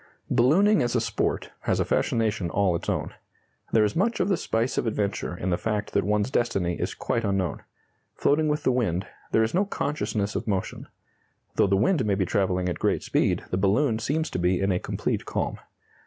Ballooning as a sport has a fascination all its own. There is much of the spice of adventure in the fact that one's destiny is quite unknown. Floating with the wind, there is no consciousness of motion. Though the wind may be travelling at great speed, the balloon seems to be in a complete calm.